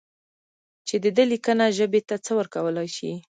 چې د ده لیکنه ژبې ته څه ورکولای شي.